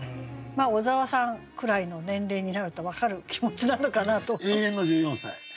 小沢さんくらいの年齢になると分かる気持ちなのかなと。